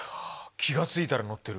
気が付いたら乗ってる。